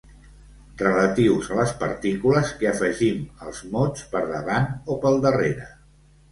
Relatius a les partícules que afegim als mots per davant o pel darrere.